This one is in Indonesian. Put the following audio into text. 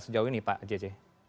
sejauh ini pak jj